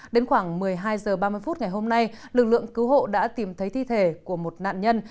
đến khoảng một mươi hai h ba mươi phút ngày hôm nay lực lượng cứu hộ đã tìm thấy thi thể của một nạn nhân